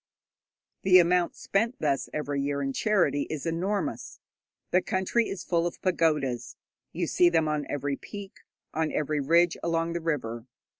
The amount spent thus every year in charity is enormous. The country is full of pagodas; you see them on every peak, on every ridge along the river.